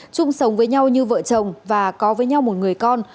chung sống với nhau như vợ chồng và có với nhau một người con